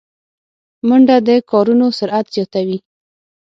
منډه د کارونو سرعت زیاتوي